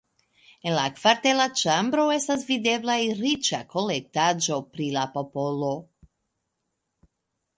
En la kartvela ĉambro estas videblaj riĉa kolektaĵo pri la popolo.